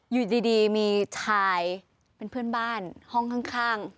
อยู่ดีมีชายเป็นเพื่อนบ้านห้องข้าง